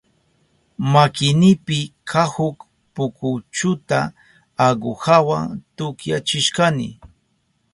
Makinipi kahuk pukuchuta aguhawa tukyachishkani.